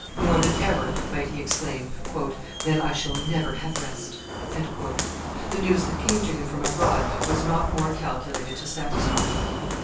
More than ever might he exclaim, "Then I shall never have rest!" The news that came to him from abroad was not more calculated to satisfy him.